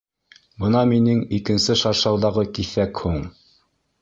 Бына минең икенсе шаршауҙағы киҫәк һуң!